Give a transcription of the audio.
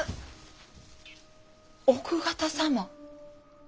奥方様？